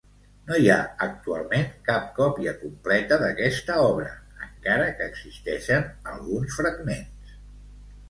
No hi ha actualment cap còpia completa d'aquesta obra, encara que existeixen alguns fragments.